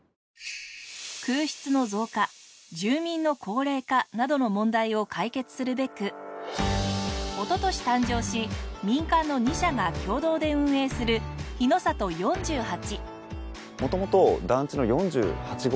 空室の増加住民の高齢化などの問題を解決するべくおととし誕生し民間の２社が共同で運営するひのさと４８。